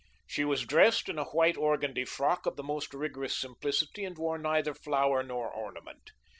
She was dressed in a white organdie frock of the most rigorous simplicity and wore neither flower nor ornament.